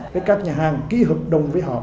với các nhà hàng ký hợp đồng với họ